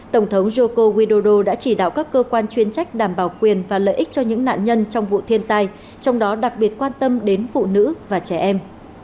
tổng thống joko widodo đã chỉ đạo các cơ quan chuyên trách đảm bảo quyền và lợi ích cho những nạn nhân trong vụ thiên tai trong đó đặc biệt quan tâm đến phụ nữ và trẻ em